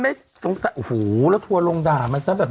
เรียนเรื่องนี้อย่าโกรธ